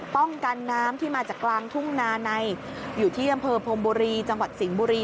ป้องกันน้ำที่มาจากกลางทุ่งนาในอยู่ที่อำเภอพรมบุรีจังหวัดสิงห์บุรี